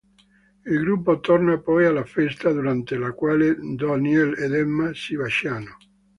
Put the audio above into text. Il gruppo torna poi alla festa, durante la quale Daniel ed Emma si baciano.